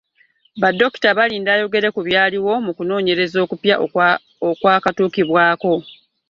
Dokita Balinda ayogedde ku byaliwo mu kunoonyereza okupya okwakatuukibwako.